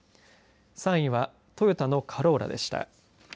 ３位はトヨタのカローラでした。